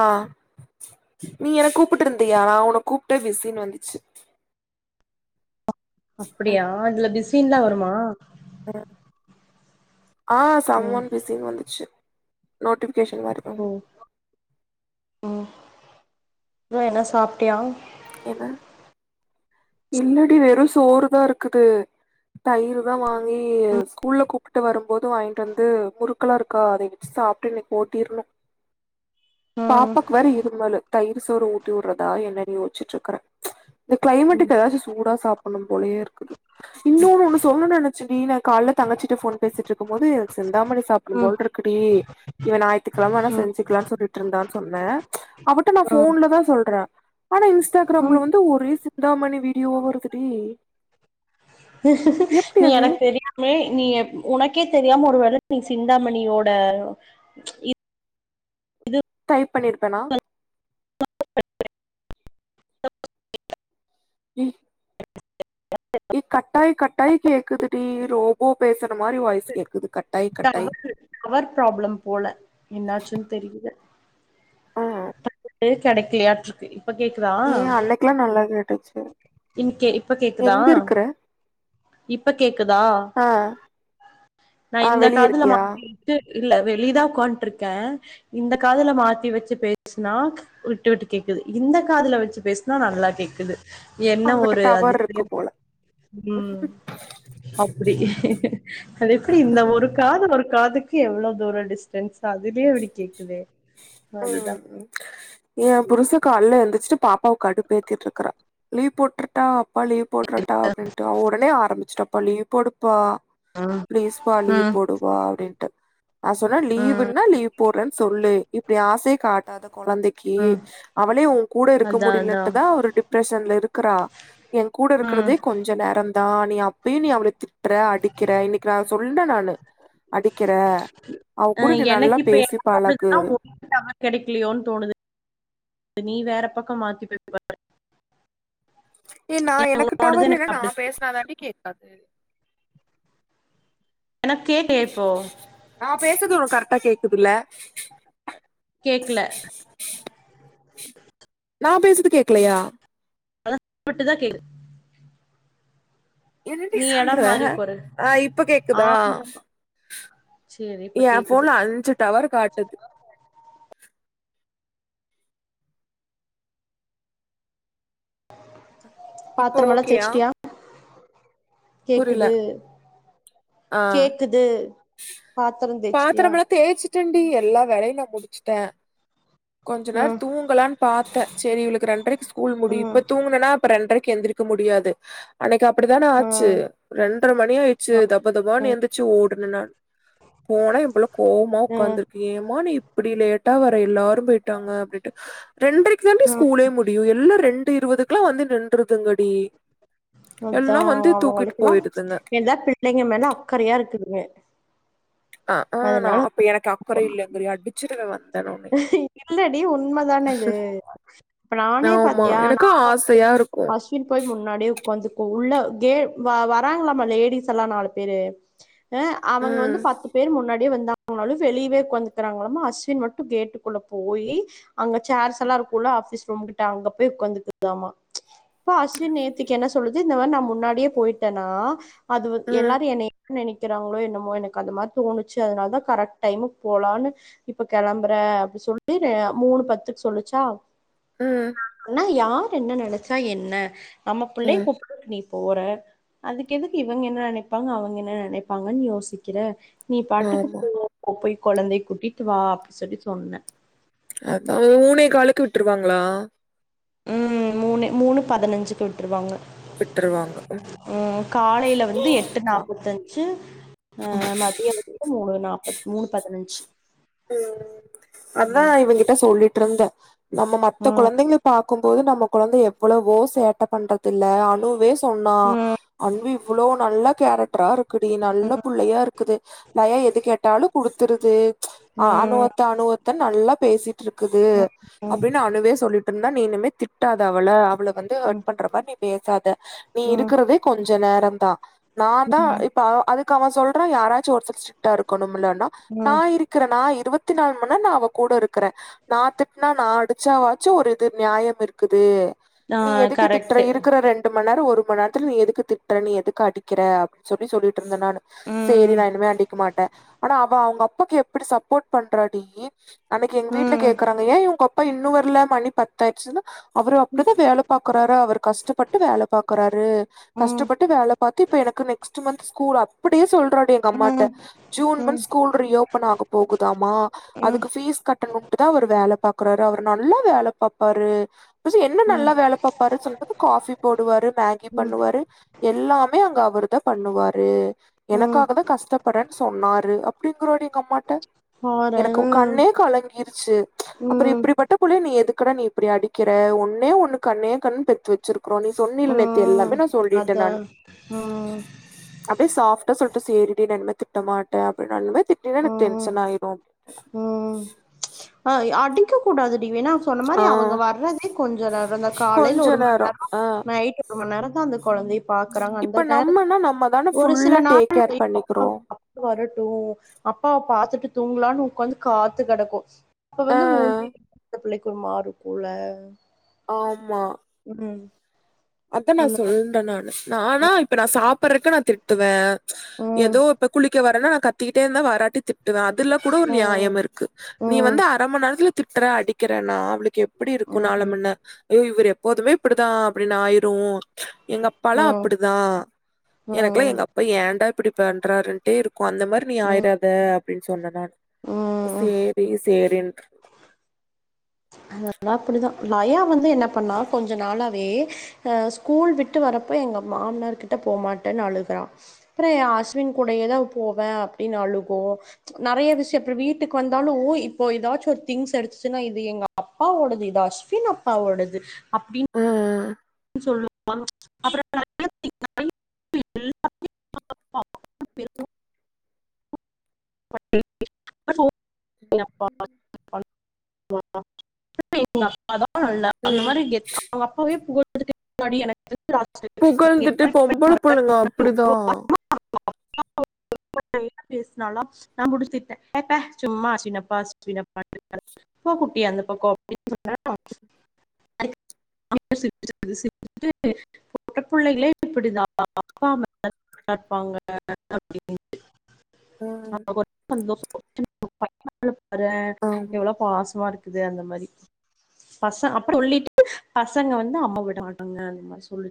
அ நீ எனக் கூப்புட்டு இருந்தியா நா உனக் கூப்ட்ட பிசின்னு வந்துச்சு அப்டியா இதுல பிஸின்லா வருமா அ சம் ம் ஒன் பிசினு வந்துச்சு நோட்டி கேசன் மாரி வரு ம் ம் அப்றோ என்ன சாப்ட்டியா என்ன இல்லடி வெறு சோறுதா இருக்குது தயிர் தா வாங்கி ம் ஸ்கூல்ல கூப்ட்டு வரும்போது வாங்கிட்டு வந்து முறுக்களா இருக்கா அதை வச் சாப்ட்டு இன்னைக் ஓட்டிர்னு ம் பாப்பாக்கு வேற இருமலு தயிர் சோறு ஊட்டி விடுறதா என்னடி யோசிச்சிட்டு இருக்கற இந்த ம் கிளைமேட்டுக்கு எதாச்சு சூடா சாப்ட்னு போலயே இருக்குது இன்னொன்னு ஒண்ணு சொல்ணு நெனச்சன்டி நா காலைல தங்கச்சிட்ட போன் பேசிட்டு இருக்கு போது எனக்கு சிந்தாமணி சாப்ட்னு ம் போல இருக் [unintelligible] இவ ஞாயித் த்துகெமழம வேனா ம் செஞ்சிக்கலானு சொல்ட்டு இருந்தான்னு சொன்ன அவட்ட நா ம் போன்லதா சொல்ற ஆனா ம். இன்ஸ்டாகிராம்ல வந்து ஒரே சிந்தாமணி வீடியோவா வருதுடி எப்டி நீ அது எனக்கு தெரியாமே நீ உனக்கே தெரியாம ஒரு வேல நீ சிந்தாமணியோட டைப் பண்ணிருப்பனா [inaudible] [inaudible] ஏ கட்டாய் கட்டாய் கேக்குதுடி ரோபோ பேசுற மாரி வாய்ஸ் கேக்குது கட் டவர் டவர் பிராப்ளம் போல என்னாச்சுன்னு தெரில ம் நெட்டே கெடைக்கலையாட்ருக்கு இப்ப கேக்குதா ஏ அன்னைக்கெல்லா நல்லா கேட்டுச்சு இன்கே இப்ப கேக்குதா எங்க இருக்குற இப்ப கேக்குதா ஆ நா ஆ இந்த வெளிய காதுல இருக்கியா மாட்டிகிட்டு இல்ல வெளிதா ஒக்காண்டுருக்க இந்த காதுல மாத்தி வெச்சி பேசுனா விட்டு விட்டு கேக் க்குது இந்த காதுல வெச்சு பேசுனா நல்லா கேக்குது என்ன அங்கிட்ட ஒரு டவர் இருக்கு அதிசயம் போல ம் அப்டி அது எப்டி இந்த ஒரு காது ஒரு காதுக்கு எவ்ளோ தூர டிஸ்டன்ஸ் அதுலயே அப்டி கேக்குதே அதுதா ம் ஏ புருச காலைல எழுந்திரு ச்சுட்டு பாப்பாக்கு கடுப்பேத்திட்டு இருக்குறா லீவ் போட்றுட்டா அப்பா லீவ் போட்றட்டா அப்டின்ட்டு அவ ஒடனே ஆரம்பிச்சுட்டா அப்பா லீவ் போடுப்பா ம் பிளீஸ் பா லீவ் ம் போடுபா அப்டின்ட்டு நா சொன்ன ம் லீவுன்னா லீவ் போட்றேன்னு சொல்லு ஆசை காட்டாத கொழந்தைக்கு ம் அவளே உன் கூட இருக்க அதா அதா முடியலட்டுதா ஒரு டிப்ரஷ்ஷன்ல இருக்குறா எங் கூட ம் இருக்குறதே கொஞ்ச நேரதா நீ அப்பையு நீ அவள திட்ற அடிக்கற இன்னிக்கு நா சொல்லற நானு அடிக்கிற அவ அ கூட நீ நல்லா எனக்கு இப்ப பேசி என்ன பழகு தோணுதுன்னா உனக்கு டவர் கெடக்கலையோன்னு தோணுது நீ வேற பக்கம் மாத்தி போய் பாரு ஏ நா எனக்கு உன்னோடது டவர் எனக்கு இல்லனா அப்டி நா பேசுனாதாண்டி கேக்காது எனக்கு கேக்கலையா இப்போ நா பேசறது ஒனக்கு கரெக்டா கேக்குதுல கேக்கல நா பேசறது கேக்கலயா விட் விட்டு தா கேக்து என்னடி சொல்ற எடம் மாறி உக்காரு அ இப்ப கேக்குதா ஆமா சேரி இப்ப ஏ கேக்குது போன்ல அஞ்சு டவர் காட்டுது இப்போ பாத்ரமெல்லா ஓகேயா தேச்சிட்டியா புரியல கேக்குது ஆஹ் கேக்குது பாத்ரோ தேச்ட்டியா பாத்திரமெல்லா [unintelligible] எல்லா வேலையு நா முடிச்சிட்ட கொஞ்ச நேர ம் தூங்கலான்னு பாத்த செரி இவளுக்கு ரெண்டரைக்கு ஸ்கூல் முடியு ம் இப்ப தூங்னன்னா அப்ப ரெண்ரைக்கு க்கக எந்திரிக்க முடியாது அன்னிக்கி அப் அப்டித்தானே ஆச்சு ம் ரெண்டர மணி ஆயிச்சு தப தபானு ம் எந்திரச்சு ஓடுன நானு போனா ஏ புள்ள கோவமா உகாந்துருக்கு ஏ மா நீ இப் இப்டி லேட்டா வர எல்லாரு போய்ட்டாங்க அப்டின்ட்டு ரெண்டரைக்கு தாண்டி ஸ்கூலே முடியு எல்லா ரெண் ரெண்டு இருவதுக்குள்ளா வந்து நின்ருதுங்கடி அதா அவங்களுல்லா எதா பிள்ளைங்க மேல அக்கறையா இருக்குதுங்க அஹா அது நா அப்ப எனக்கு அக்கற இல்லிங்றியா அடிச்சிருவ வந்த இல்லடி உண்மதான இது இப்ப நானே ஆமா பாத்தியா எனக்கு நானு ஆசையா இருக்கு அஸ்வின் போய் முன்னாடியே உட்காந்துக்கு உள்ள கே வராங்களாமா லேடிஸ் எல்லா நாலு பேரு அ அவங்க வந்து ம் பத்து பேர் முன்னாடி அப்டியே வந்தாங்களாலு வெளியவே உட்காந்துக்குறாங்களாமா அஸ்வின் மட்டு கேட்டுக்குள்ள போயி அங்க சேர்ஸ் எல்லா இருக்குள்ள ஆபிஸ் ரூம் கிட்ட அங்க போய் உக்காந்துக்கிறதாமா அப்போ அஸ்வின் நேத்திக்கு என்ன சொல்லுது இந்த மாரி நா முன்னாடியே போயிட்டேனா அது வ ம் எல்லாரு என்னை என்ன நென க்கிறாங்ளோ என்னமோ எனக்கு அந்த மாரி தோணுச்சு அதனாலதா கரெக்ட் டைம்க்கு போலானு இப்ப கெளம்ப ற அப்டி சொல்லி மூணு பத்துக்கு சொல்லுச்சா ம் ஆனா யா ரு என்ன நெனச்சா என்ன நம்ம புள்ளய ம் கூப்டறக்கு நீ போற அதுக்கு எதுக்கு இவங்க என்ன நெனைப்பாங்க அவுங்க என்ன நெனைப்பாங்கனு யோசிக்கிற நீ பாட்டுக்கு ஆமா போ போய் கொழந்தய கூட்டிட்டு வா அப்டி சொல்லி சொன்ன அதா மூணே காலுக்கு விட்டுருவாங்ளா ம் மூணு மூணு பதினஞ்சுக்கு விட்டுருவாங்க விட்டுருவாங்க ம் காலையில வந்து எட்டு நா நாப்பத்தஞ்சு அ மதியம் குள்ள மூணு நாப் மூணு பதினஞ்சு ம் அதா இவன் கிட்ட சொல்லிட்டு இருந்தே நம்ம மத்த ம் கொழந்தைங்க பாக்கும்போது நம்ம குழந்தை எவ்ளவோ சேட்ட பண்றது இல்ல ஆனுவேஸ் சொன்னா அன்வி இவ்ளோ நல்ல கேரக்டரா இருக்குடி நல்ல புள்ளயா இருக்குது நா ஏ எது கேட்டாலு குடுத்துருது ஆ ம் அணு அத்த அணு அத்தன்னு நல்லா பேசிட்டு இருக்குது அப்டின்னு அணுவே சொல்லிட்டு இருந்தா நீ இனிமே தி ட்டாத அவள அவள வந்து ஹேட் பண்ற மாரி நீ பேசாத நீ ம் இருக்கிறதே கொஞ்ச நேரம் தா நான்தா இப்ப அதுக்கு அவன் சொல்றான் யாராச்சு ஒருத்தர் ஸ்ட்ரிக்டா இருக்கணும்லன்னு னா நா ம் இரு நா இருவத்தி நால் மணி நேரோ நா அவ கூட இருக்கிறே நா திட்னா நா அடிச்சா வாச்சு ஒரு இது நியாயம் இ ருக்குது ஆ நீ எதுக்கு திட்ற கரெக்ட்டு இருக்கிற ரெண்டு மண் நேரோ ஒரு கொஞ்ச நேரத்துல நீ எதுக்கு திட்ற நீ எதுக்கு அடிக்கிற அப் சொல்லி சொல்லி ட்டுருந்தே நானு சேரி ம் நா இனிமே அடிக்க மாட்டே ஆனா அவ அவுங்க அப்பாக்கு இப்டி சப்போர்ட் பண்றா டீ நீ அன்னைக்கு எங்க வீட்ல ம் கேக்கறாங்க ஏன் உங்க அப்பா இன்ன இன்னு வர்ல மணி பத்தாயிருச்சுனா அவரு அப்டிதா வேல பாக்குறாரு அவர் கஷ்டப்பட்டு வேல பாக்குறாரு ம் ம் கஷ்டப்பட்டு வேல பாத்து இப்ப எனக்கு க்கு நெக்ஸ்ட் மந்த் ஸ்கூல் அப்டியே சொல்றாடி எங்க அம்மாட்ட ஜீன் ம் மந்த் ஸ்கூல் ரியோப் பன் ஆக போகுதாமா ம் அதுக்கு ஃபீஸ் கட்டணும்ட்டுதா அவரு வேல பாக்குறாரு அவரு நல்லா வேல பாப்பாரு என்ன ம் நல்லா வேல பாப்பாரு சொன்னதுக்கு காஃபி போடுவாரு மேகி பண்ணுவாரு எல்லாமே அங்க அவ ருதா பண்ணுவாரு ம் எனக்காகதா கஷ்டப்படறன்னு சொன்னாரு அப்டிங்கிறாடி எங்க அம்மாட்ட எனக்கு உன் பாரே கண்ணே கலங்கிருச்சு அப்றோ ம் இப்டிப்பட்ட புள்ளய நீ எதுக்கு க்கிற நீ இப்டி அடிக்கிற ஒன்னே ஒன்னு கண்ணே கண்ணு பெத்து வெச்சிரு அப்புறோ நீ சொன்னியல்ல நேத்து ம் எல்லாமே நா சொல்லிட்டே அதா நானு ம் அப்டியே சாஃப்டா சொல்லிட்ட சேரிடி நா இனிமே திட்ட மாட்டே அப்டின்னாலுமே திட்டினா எனக்கு ம் டென்ஷன் ஆயிரு க்க கூடாது அப்டி வேனா அவுங்க சொன்ன மாரி அவுங்க வர்றதே கொஞ்ச நேரந்தா காலைல கொஞ்ச ஒரு மண் நேரோ ஆ நைட் ரொம்ப நேரோந்தா அந்த கொழந்தைய பாக்கறாங்க அந்த இப்ப நேர நம்மனா நம்ம தான ஒரு சில ஃபுல்லா டேக் நாள் கேர் [inaudible] பண்ணிக்கிறோ அப்பாவ பாத்துட்டு தூங்கலான்னு உக்காந்து காத்து கெடக்கு அப்ப ஆ வந்து மூஞ்சி இந்த புள்ளைக்கு ஒரு மாரி இருக்குல்ல ஆமா ம் அதா நா அந்த சொல்றே நானு நானா இப்ப நா சாப்படறக்கு நா திட்டுவே ம் எதோ இப்ப குளிக்க வரனா நா கத்திட்டே இந்தா வராட்டி திட்டுவே இதுல்ல கூட ஒரு ம் நியாயம் இருக்கு நீ ம் வந்து அரை மண் நேரத்துல திட்டற அடிக்கிறனா அவுளுக்கு எ ப்டி இருக்கு ம் நாள மின்ன ஐயோ இவர் எப்போதுமே இப்படிதா அப்டின்னு ஆயிரு எங்க ம் அப்பால்லா ம் அப்டிதா எனக்கெல்லா எங்க அப்பா ஏண்டா இப்படி பண்றாருண்டே இருக்கு கோ அந்த மாரி நீ ம் ஆயிராத அப்டின் சொன்ன நானு ம் ம் சேரி சேரின் அதல்லா அப்பிடிதா நா யா வந்து என்ன பண்ணா கொஞ்சோ நாளாவே ஆ ஸ்கூல் விட்டு வ வரப்போ எங்க மாம்னார் கிட்ட போமாட்டேனு அழுகறா அப்ரோ யே அஸ்வின் கூடையேதா போவே அப்டின் னு அழுகு நெறைய விஷயோ வீட்டுக்கு வந்தாலு இப்போ ஏதாச்சு ஒரு திங்ஸ் எடுத்துச்சுன்னா இத் து எங்க அப்பாவோடது இது அஸ்வின் அப்பாவோடது அப்டின் ஆ சொல்லு [inaudible] [inaudible] [inaudible] எங்க அப்பாதா அல்ல அந்த மாரி கெத்தா அவங்க அப்பாவே [inaudible] எனக்கு தெரிஞ்சு நீங்க புகழ்ந்துட்டு பண்ணி பொம்பள மறக்காம புள்ளங்க அப்படிதா [inaudible] பேஸ்னால நா முடிச்சிட்டே ஏ பே சும்மா அஸ்வின் அப்பா அஸ்வின் அப்பான்டு கு குட்டியாந்தப்ப கோ [inaudible] [unintelligible] தா இருப்பாங்க அப்டின்ட்டு ம் [inaudible] றே ஆமா எவ்ளோ பாசமா இரு குது அந்த மாரி பச அப்புறோ சொல்லிட்டு பசங்க வந்து அம் அம்மா விட மாட்டாங்க அதே மாரி சொல்லு